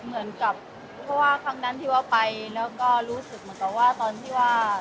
เหมือนกับเพราะว่าครั้งนั้นที่ว่าไปแล้วก็รู้สึกเหมือนกับว่าตอนที่ว่า